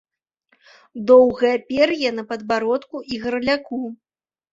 Доўгае пер'е на падбародку і гарляку.